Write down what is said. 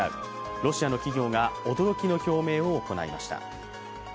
ロシアの企業が驚きの表明を行いました。